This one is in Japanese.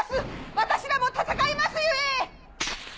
私らも戦いますゆえ！